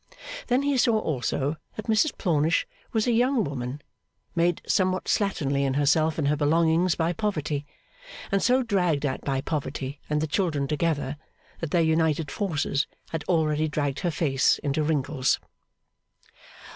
Then he saw, also, that Mrs Plornish was a young woman, made somewhat slatternly in herself and her belongings by poverty; and so dragged at by poverty and the children together, that their united forces had already dragged her face into wrinkles.